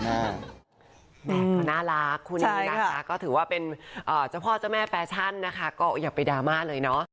แม่ก็น่ารักคู่นี้นะคะก็ถือว่าเป็นเจ้าพ่อเจ้าแม่แฟชั่นนะคะก็อย่าไปดราม่าเลยเนาะ